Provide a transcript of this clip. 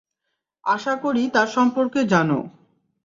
আশা করি তার সম্পর্কে জানো।